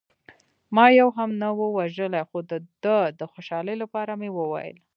ما یو هم نه و وژلی، خو د ده د خوشحالۍ لپاره مې وویل.